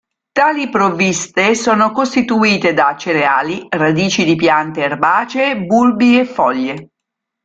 Tali provviste sono costituite da cereali, radici di piante erbacee, bulbi e foglie.